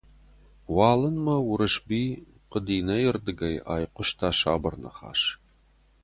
Уалынмӕ Уырысби Хъуыдинӕйы ’рдыгӕй айхъуыста сабыр ныхас.